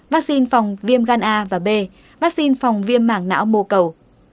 vaccine phòng viêm gan a và b vaccine phòng viêm mảng não mô cầu